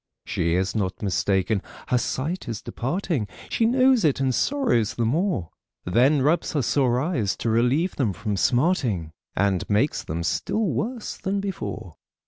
She is not mistaken, her sight is departing; She knows it and sorrows the more; Then rubs her sore eyes, to relieve them from smarting, And makes them still worse than before.